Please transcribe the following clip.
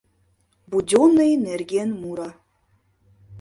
Будённый нерген муро.